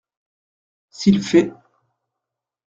S’il fait.